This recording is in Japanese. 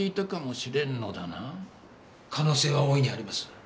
可能性は大いにあります。